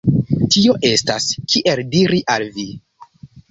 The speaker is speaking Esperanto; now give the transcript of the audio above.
Tio estas, kiel diri al vi?